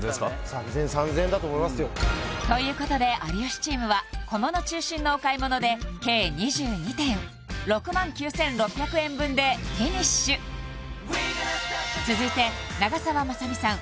３０００円３０００円だと思いますよということで有吉チームは小物中心のお買い物で計２２点６万９６００円分でフィニッシュ続いて長澤まさみさん